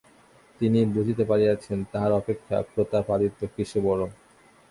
তিনি বুঝিতে পারিয়াছেন, তাঁহার অপেক্ষা প্রতাপাদিত্য কিসে বড়ো।